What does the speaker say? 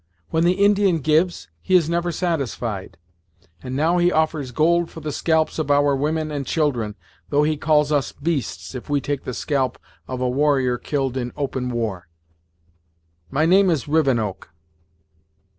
When the Indian gives, he is never satisfied; and now he offers gold for the scalps of our women and children, though he calls us beasts if we take the scalp of a warrior killed in open war. My name is Rivenoak."